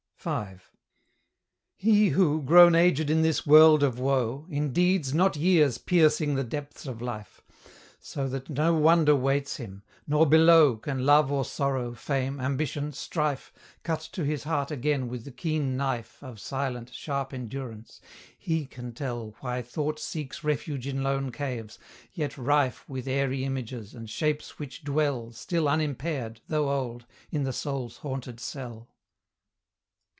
V. He who, grown aged in this world of woe, In deeds, not years, piercing the depths of life, So that no wonder waits him; nor below Can love or sorrow, fame, ambition, strife, Cut to his heart again with the keen knife Of silent, sharp endurance: he can tell Why thought seeks refuge in lone caves, yet rife With airy images, and shapes which dwell Still unimpaired, though old, in the soul's haunted cell.